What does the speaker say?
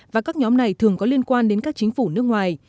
và các nhóm này thường có liên quan đến các chính phủ nước ngoài